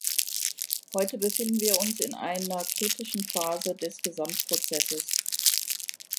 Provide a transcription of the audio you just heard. Heute befinden wir uns in einer kritischen Phase des Gesamtprozesses.